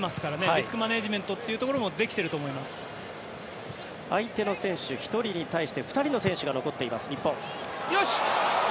リスクマネジメントも相手の選手１人に対して２人の選手が残っています日本。